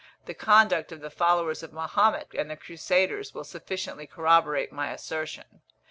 The conduct of the followers of Mahomet, and the crusaders, will sufficiently corroborate my assertion.